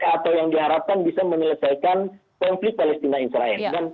atau yang diharapkan bisa menyelesaikan konflik palestina israel